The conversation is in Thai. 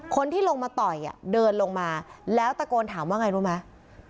คนที่ลงมาต่อยเดินลงมาแล้วตะโกนถามว่าไงรู้ไหม